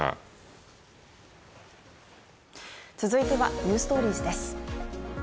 続いては「ｎｅｗｓｔｏｒｉｅｓ」です。